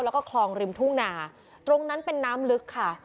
แล้วก็คลองริมทุ่งนาตรงนั้นเป็นน้ำลึกค่ะ